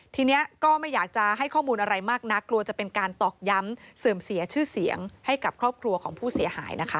ทีนี้ก็ไม่อยากจะให้ข้อมูลอะไรมากนักกลัวจะเป็นการตอกย้ำเสื่อมเสียชื่อเสียงให้กับครอบครัวของผู้เสียหายนะคะ